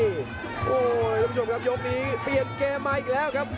โอ้โหท่านผู้ชมครับยกนี้เปลี่ยนเกมมาอีกแล้วครับ